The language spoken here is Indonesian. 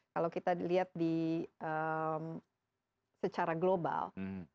kalau kita lihat secara global